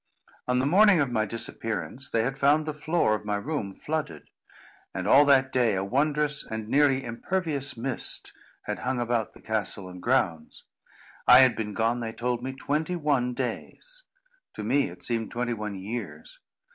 On the morning of my disappearance, they had found the floor of my room flooded; and, all that day, a wondrous and nearly impervious mist had hung about the castle and grounds. I had been gone, they told me, twenty one days. To me it seemed twenty one years.